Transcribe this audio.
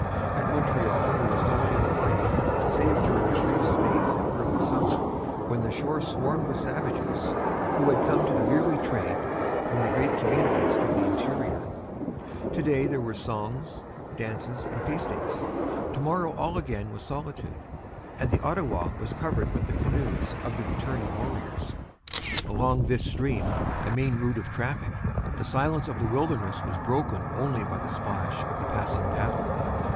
At Montreal there was no human life, save during a brief space in early summer, when the shore swarmed with savages, who had come to the yearly trade from the great communities of the interior. To day there were dances, songs, and feastings; to morrow all again was solitude, and the Ottawa was covered with the canoes of the returning warriors. Along this stream, a main route of traffic, the silence of the wilderness was broken only by the splash of the passing paddle.